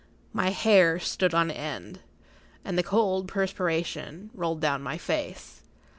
My hair stood on end, and the cold perspiration rolled down my face.